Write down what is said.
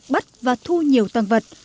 bắt và thu nhiều tăng vật